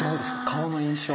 顔の印象。